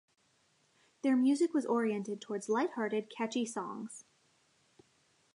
Their music was oriented towards lighthearted, catchy songs.